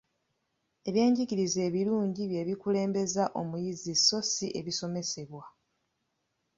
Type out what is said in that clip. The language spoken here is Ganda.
Ebyenjigiriza ebirungi bye bikulembeza omuyizi sso si ebisomesebwa.